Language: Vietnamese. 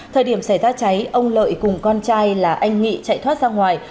thời điểm xảy ra cháy ông lợi cùng con trai là anh nghị chạy thoát ra ngoài